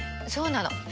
そうなの。